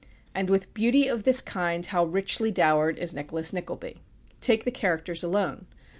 And with beauty of this kind how richly dowered is "Nicholas Nickleby"! Take the characters alone.